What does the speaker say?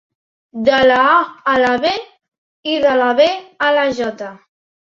De la A a la B, i de la B a la Jota